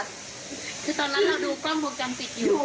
คือตอนนั้นเราดูกล้องวงจรปิดอยู่